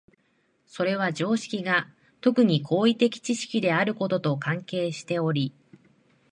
それは常識が特に行為的知識であることと関係しており、